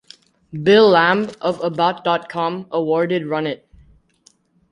Bill Lamb of About dot com awarded Run It!